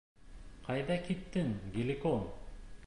Ҡайҙа киттең, Геликон?